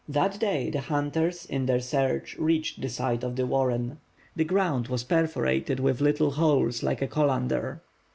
That day the hunters, in their search, reached the site of the warren. The ground was perforated with little holes like a colander.